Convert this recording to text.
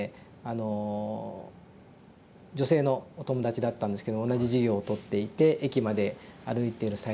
あの女性のお友達だったんですけど同じ授業をとっていて駅まで歩いている最中にですね